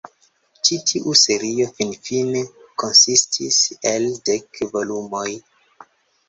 Ĉi tiu serio finfine konsistis el dek volumoj.